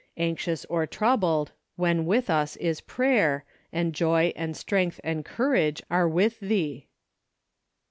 Anxious or troubled, when with us is prayer. And joy and strength and courage are with thee?